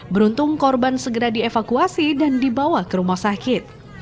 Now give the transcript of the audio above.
beruntung korban segera dievakuasi dan dibawa ke rumah sakit